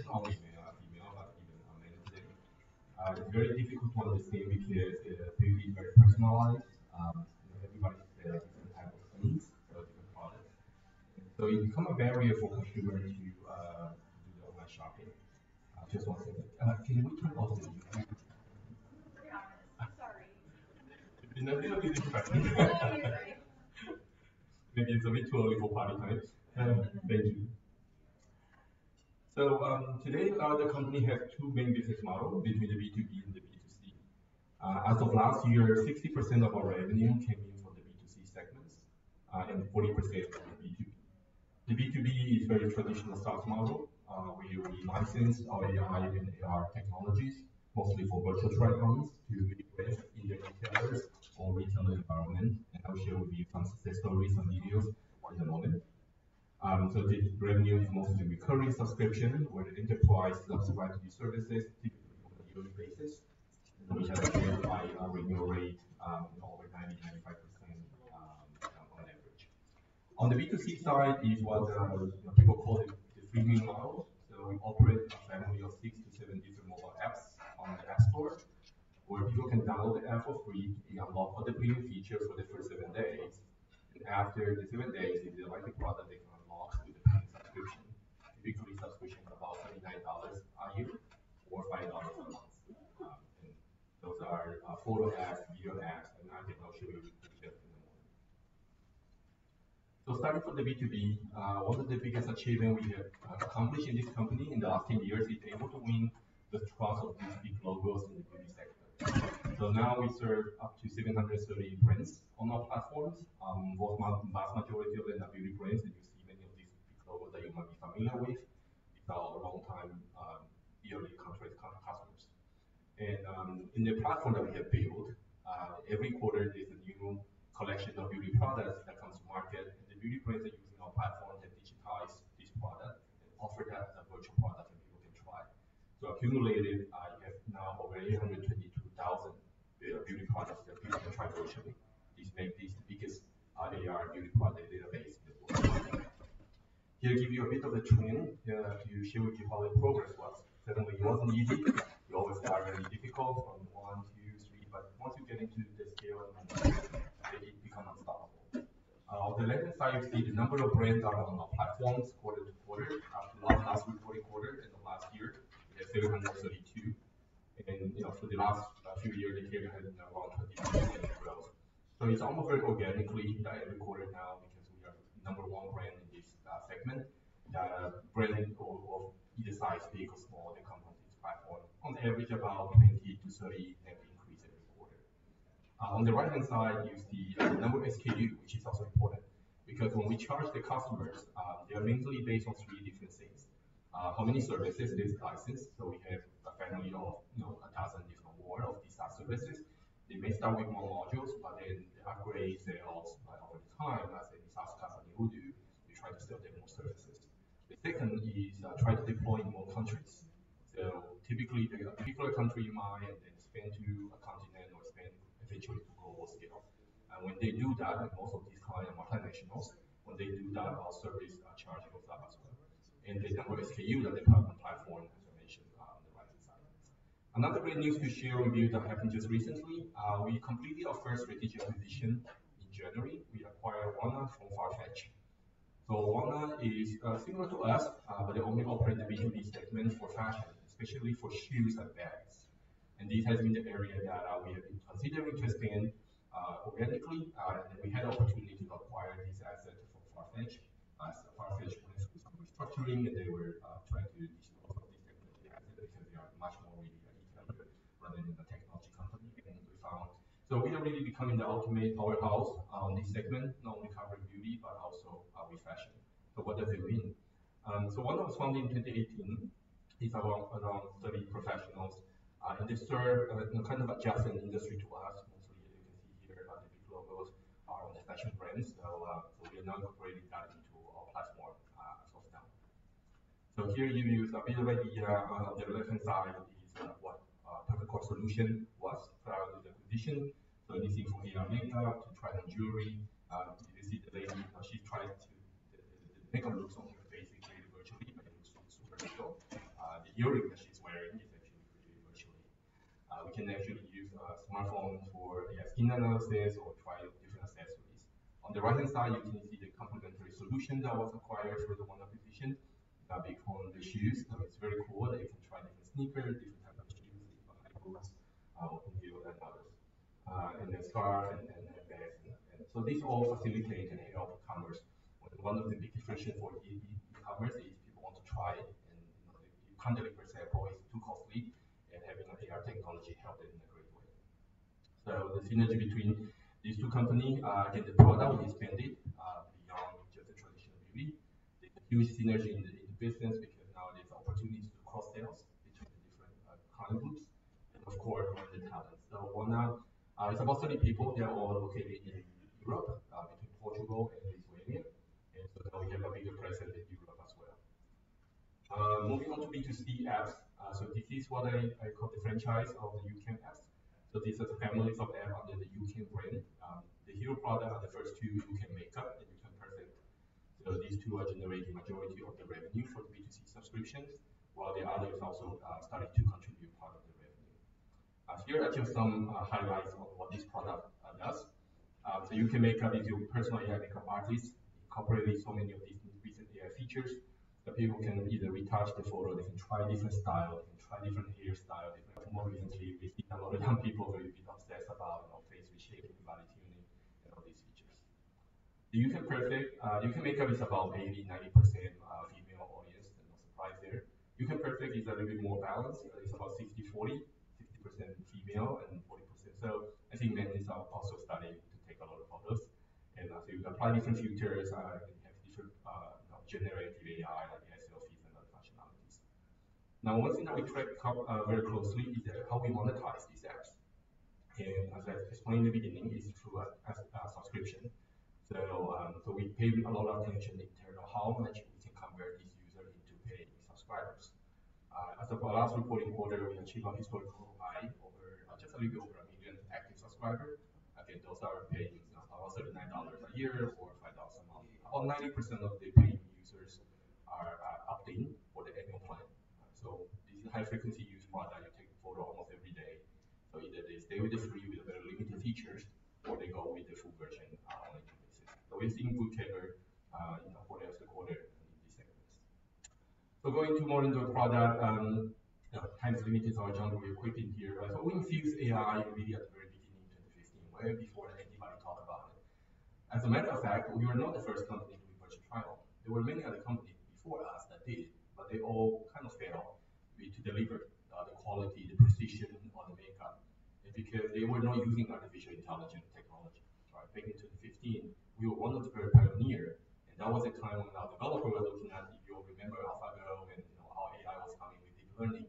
Asks or try to find the right product for their skincare, not only male or female, but even men today. It's very difficult to understand because things get very personalized. You know, everybody's just got a different type of needs for different products. It becomes a barrier for consumers to do their own shopping. Just one second. Can we turn off the— I'm sorry. It's a little bit distracting. No, you're great. Maybe it's a bit too early for party time. Thank you. Today, our company has two main business models between the B2B and the B2C. As of last year, 60% of our revenue came in from the B2C segments, and 40% from the B2B. The B2B is a very traditional SaaS model, where we license our AI and AR technologies, mostly for virtual try-ons, to be placed in the retailers or retail environment. I'll share with you some success stories and videos in a moment. The revenue is mostly recurring subscription where the enterprise subscribes to these services typically on a yearly basis. We have a subscriber retention rate, of over 90-95%, on average. On the B2C side is what people call the premium model. We operate a family of six to seven different mobile apps on the App Store where people can download the app for free to be unlocked for the premium feature for the first seven days. After the seven days, if they like the product, they can unlock with a premium subscription. Typically, subscription is about $39 a year or $5 a month. Those are photo apps, video apps, and I can now show you in a moment. Starting from the B2B, one of the biggest achievements we have accomplished in this company in the last 10 years is being able to win the trust of these big logos in the beauty sector. Now we serve up to 730 brands on our platforms. Most, majority of them are beauty brands. You see many of these big logos that you might be familiar with. These are our long-time, yearly contract customers. In the platform that we have built, every quarter there's a new collection of beauty products that comes to market. The beauty brands are using our platform to digitize these products and offer that as a virtual product that people can try. Accumulated, you have now over 822,000 beauty products that people can try virtually. This makes this the biggest AR beauty product database in the world. Here, I'll give you a bit of a twin, to show you how the progress was. Suddenly, it wasn't easy. It always started really difficult from one, two, three. Once you get into the scale and management, it becomes unstoppable. On the left-hand side, you see the number of brands that are on our platforms quarter to quarter. Last reporting quarter in the last year, we had 732. You know, for the last few years, the CAGR had around 23, and it grows. It is almost very organically that every quarter now, because we are number one brand in this segment, that a brand of either size, big or small, that comes on this platform, on average, about 20-30, and we increase every quarter. On the right-hand side, you see the number of SKU, which is also important because when we charge the customers, they are mainly based on three different things. How many services they license. We have a family of, you know, 1,000 if not more of these SaaS services. They may start with more modules, but then they upgrade sales over time. As any SaaS company would do, they try to sell them more services. The second is, try to deploy in more countries. Typically, they'll pick a particular country in mind and then expand to a continent or expand eventually to global scale. When they do that, and most of these clients are multinationals, when they do that, our service charges for that as well. The number of SKU that they have on the platform, as I mentioned, on the right-hand side. Another great news to share with you that happened just recently, we completed our first strategic acquisition in January. We acquired Wannaby from Farfetch. Wannaby is, similar to us, but they only operate the B2B segment for fashion, especially for shoes and bags. This has been the area that we have been considering to expand, organically. We had the opportunity to acquire this asset from Farfetch. Farfetch went through some restructuring, and they were trying to dislodge from this segment of the asset because they are much more ready as a vendor rather than a technology company. We found we are really becoming the ultimate powerhouse on this segment, not only covering beauty but also refashioning. What does it mean? WANNA was founded in 2018. It's around 30 professionals, and they serve, kind of adjust the industry to us. Mostly, as you can see here, the big logos are on the fashion brands. We are now incorporating that into our platform, as of now. Here, you use a bit of idea. On the left-hand side is what Perfect Corp as it was prior to the acquisition. This includes AR makeup to try on jewelry. You see the lady, she's trying to make a look on her face, including virtually, but it looks super real. The earring that she's wearing is actually created virtually. We can actually use smartphones for the skin analysis or try different accessories. On the right-hand side, you can see the complementary solution that was acquired for the Wannaby acquisition, based on the shoes. It's very cool. They can try different sneakers, different types of shoes, different high boots, open heels, and others, and then scarves and bags. These all facilitate and help e-commerce. One of the biggest friction for e-commerce is people want to try it, and, you know, if you can't deliver sample, it's too costly. Having AR technology helped it in a great way. The synergy between these two companies, again, the product will expand it beyond just the traditional beauty. There's a huge synergy in the business because now there's opportunities to cross-sales between the different client groups and, of course, brand intelligence. So Wannaby, it's about 30 people. They are all located in Europe, between Portugal and Lithuania. And so now we have a bigger presence in Europe as well. Moving on to B2C apps. This is what I call the franchise of the YouCam apps. These are the families of apps under the YouCam brand. The hero product are the first two, YouCam Makeup and YouCam Perfect. These two are generating the majority of the revenue for the B2C subscriptions, while the other is also starting to contribute part of the revenue. Here are just some highlights of what this product does. YouCam Makeup is your personal AI makeup artist. It incorporates so many of these recent AI features that people can either retouch the photo. They can try different styles. They can try different hairstyles, different. More recently, we see a lot of young people very bit obsessed about, you know, face reshaping, body tuning, and all these features. The YouCam Perfect, YouCam Makeup is about 80-90% female audience. There's no surprise there. YouCam Perfect is a little bit more balanced. It's about 60/40, 60% female and 40%. I think men are also starting to take a lot of photos. You can apply different features, and have different, you know, generative AI like LLMs and other functionalities. One thing that we track very closely is how we monetize these apps. As I explained in the beginning, it's through a subscription. We pay a lot of attention in terms of how much we can convert these users into paying subscribers. As of our last reporting quarter, we achieved a historical high, just a little bit over a million active subscribers. Again, those are paying, you know, about $39 a year or $5 a month. About 90% of the paying users are opting for the ad component. This is a high-frequency used product. You take a photo almost every day. Either they stay with the free with very limited features or they go with the full version, only two basis. We are seeing good headway, you know, for the last quarter in this segment. Going more into the product, the time's limited, so I'll jump real quick in here. We infused AI and video at the very beginning in 2015, way before anybody thought about it. As a matter of fact, we were not the first company to do virtual trial. There were many other companies before us that did, but they all kind of failed to deliver, the quality, the precision, or the makeup. Because they were not using artificial intelligence technology, right? Back in 2015, we were one of the very pioneers. That was a time when our developers were looking at, if you all remember, AlphaGo and, you know, how AI was coming with deep learning.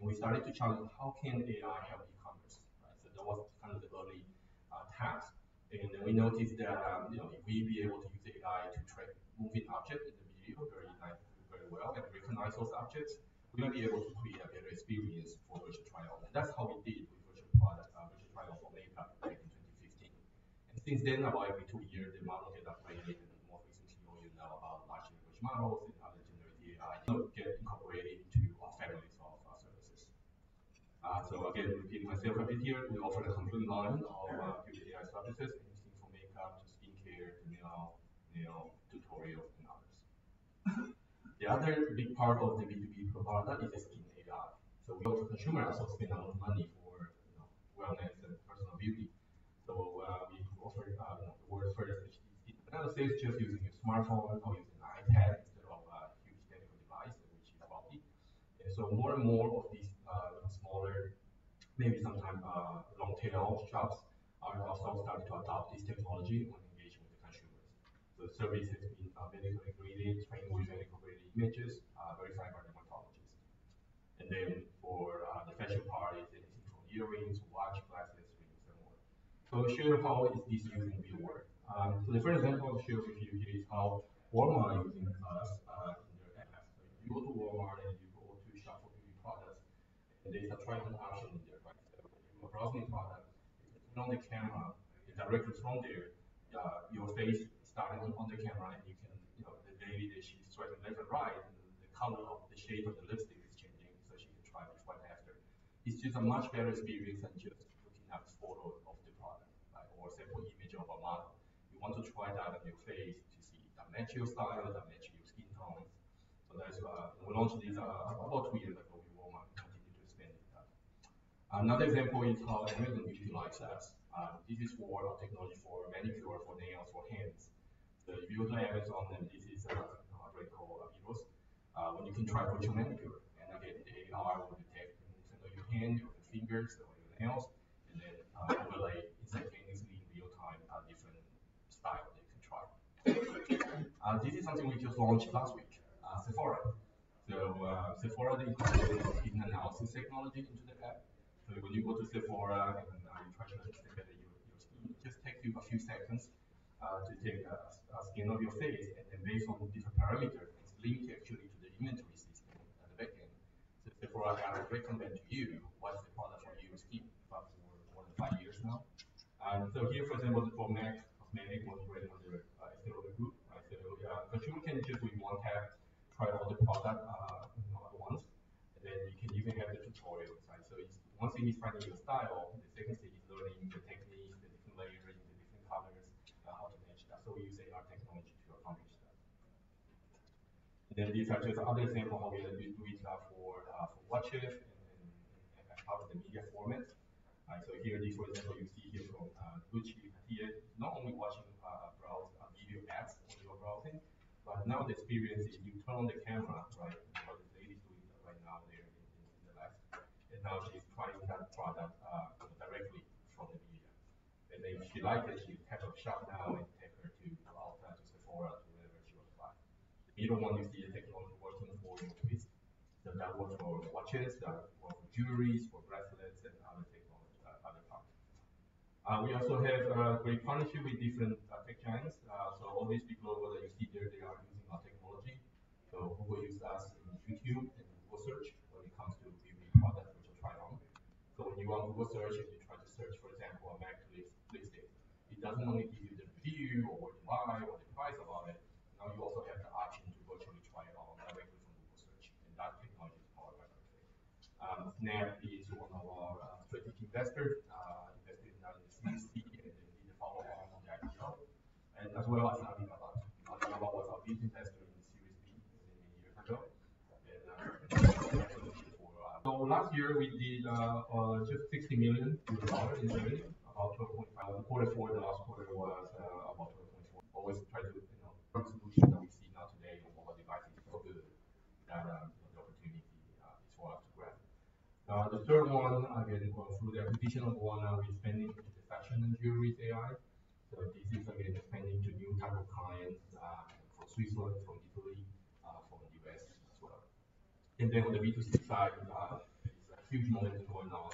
We started to challenge, how can AI help e-commerce, right? That was kind of the early, task. We noticed that, you know, if we'd be able to use AI to track moving objects in the video very nicely, very well, and recognize those objects, we might be able to create a better experience for virtual trial. That is how we did with virtual product, virtual trial for makeup back in 2015. Since then, about every two years, the model gets upgraded. More recently, you know, you know about large language models and other generative AI, which get incorporated into our families of services. Again, repeating myself a bit here, we offer a complete line of beauty AI services, anything from makeup to skincare to nail, nail tutorials and others. The other big part of the B2B product is the skin AI. Consumers also spend a lot of money for, you know, wellness and personal beauty. We offered, you know, the world's first HD skin analysis just using a smartphone or using an iPad instead of a huge medical device, which is bulky. More and more of these smaller, maybe sometimes long-tail shops are also starting to adopt this technology when engaging with the consumers. The service has been medically graded, trained with medically graded images, verified by dermatologists. For the fashion part, it's anything from earrings to watch glasses, rings and more. I will show you how this is using real work. The first example I'll show you here is how WANNA is using us in their apps. If you go to WANNA and you go to shop for beauty products, they start trying on options in there. Right? If you have a browsing product, you can turn on the camera, and directly from there, your face starting on the camera, and you can, you know, the daily she's swiping left and right, and the color of the shape of the lipstick is changing. She can try this right after. It's just a much better experience than just looking at the photo of the product, right, or a sample image of a model. You want to try that on your face to see that match your style, that match your skin tone. We launched this about two years ago. We want to continue to expand it. Another example is how Amazon utilizes us. This is for our technology for manicure, for nails, for hands. If you go to Amazon, and this is a brand called Avivos, you can try virtual manicure. Again, the AI will detect the tips of your hand, your fingers, or your nails, and then overlay instantaneously in real time different styles they can try. This is something we just launched last week, Sephora. Sephora is putting analysis technology into the app. When you go to Sephora and you try to understand better your skin, it just takes you a few seconds to take a scan of your face. Then based on different parameters, it is linked actually you see the technology working for your twist. That works for watches, that works for jewelry, for bracelets, and other technology, other products. We also have a great partnership with different tech giants. All these big logos that you see there, they are using our technology. Google uses us in YouTube and Google Search when it comes to beauty product virtual trial. When you are on Google Search and you try to search, for example, a bag twist, twist it, it does not only give you the review or what you like or the price about it. Now you also have the option to virtually try it on directly from Google Search. That technology is powered by Perfect. Snap is one of our strategic investors, invested now in the Series C and then did a follow-up on the IPO. As well as Alibaba. Alibaba was our biggest investor in the Series B within a year ago. We have a solution for. Last year, we did just $60 million in earnings, about 12. The quarter four, the last quarter was about 12. Always try to, you know, solutions that we see now today on mobile devices is so good that, you know, the opportunity is for us to grab. The third one, again, going through the acquisition of Wannaby, we're expanding into the fashion and jewelry AI. This is, again, expanding to new type of clients, from Switzerland, from Italy, from the US as well. On the B2C side, there's a huge momentum going on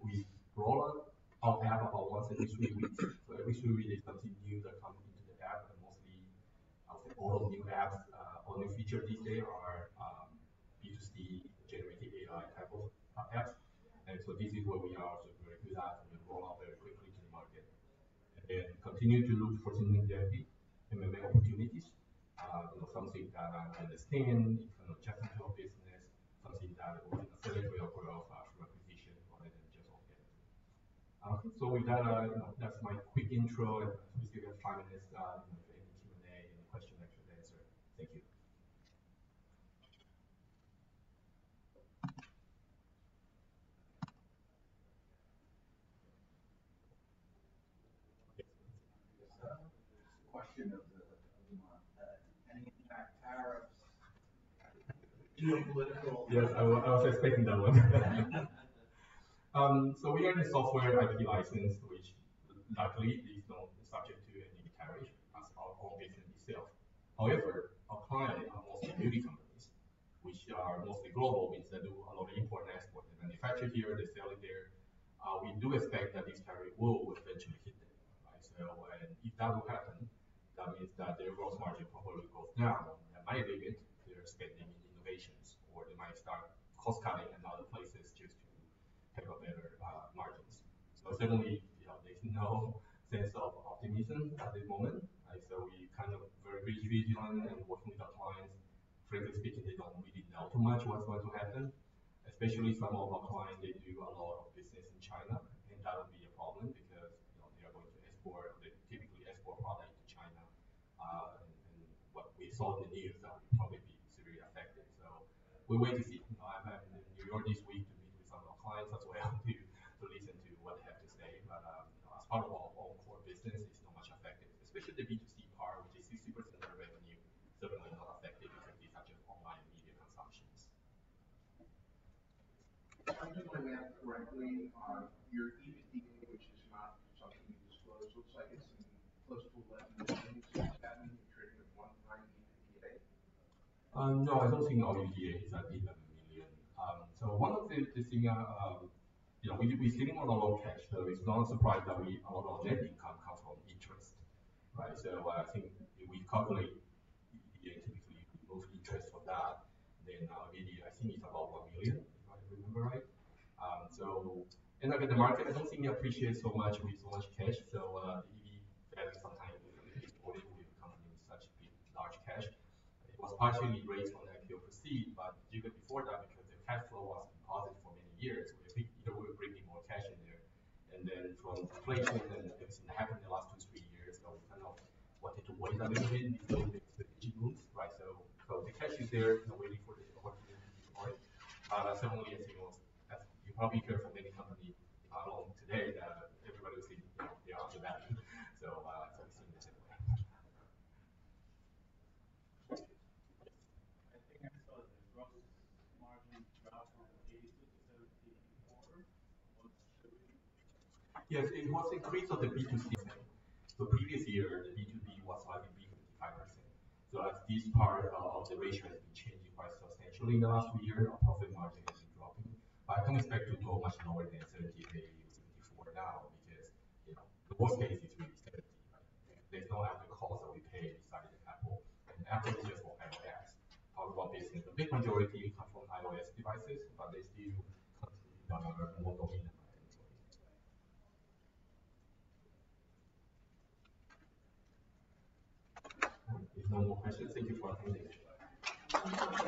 with rollout. Our app about once every three weeks. Every three weeks, there's something new that comes into the app, and mostly, I would say, all of new apps, all new features these days are B2C generated AI type of apps. This is where we are to bring that and then roll out very quickly to the market. Then continue to look for synergetic and many opportunities, you know, something that I understand, kind of just into our business, something that will be a selling for your growth, from acquisition rather than just organically. With that, you know, that's my quick intro. Obviously, we have five minutes, you know, for any Q&A and question that you should answer. Thank you. Yes, sir. Just a question of the month. Any impact tariffs? Yes, I was expecting that one. We are in a software IP license, which luckily is not subject to any tariff as our own business itself. However, our client are mostly beauty companies, which are mostly global, means they do a lot of import and export. They manufacture here. They're selling there. We do expect that these tariffs will eventually hit them, right? If that will happen, that means that their gross margin probably goes down. That might limit their spending in innovations, or they might start cost-cutting in other places just to have better margins. Certainly, you know, there's no sense of optimism at this moment, right? We kind of very briefly on and working with our clients. Frankly speaking, they don't really know too much what's going to happen, especially some of our clients. They do a lot of business in China, and that would be a problem because, you know, they are going to export, they typically export products to China. What we saw in the news, that would probably be severely affected. We will wait to see. I'm in New York this week to meet with some of our clients as well to listen to what they have to say. But, you know, as part of our core business, it's not much affected, especially the B2C part, which is 60% of the revenue. Certainly not affected because these are just online media consumptions. I think what I have correctly are your EBITDA, which is not something you disclose. Looks like it's in close to $11 million. Is that mean you're trading at 1.9 EBITDA? No, I don't think our EBITDA is at $11 million. One of the things are, you know, we still have a lot of cash, so it's not a surprise that we, a lot of our net income comes from interest, right? I think if we calculate EBITDA, typically we move interest from that. Then our EBITDA, I think it's about $1 million, if I remember right. Again, the market, I don't think they appreciate so much with so much cash. EBITDA value Yes, it was increased on the B2C. Percent. Previous year, the B2B was slightly below 55%. As this part of the ratio has been changing quite substantially in the last two years, our profit margin has been dropping. I don't expect to go much lower than 78% or 74% now because, you know, in most cases, it's really 70%, right? There's no other cost that we pay inside the Apple. Apple is just for iOS. Talk about this, you know, the big majority come from iOS devices, but they still continue to be done on a more dominant market in 2025. There's no more questions. Thank you for attending.